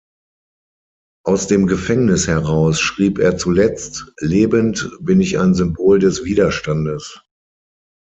Aus dem Gefängnis heraus schrieb er zuletzt: „Lebend bin ich ein Symbol des Widerstandes.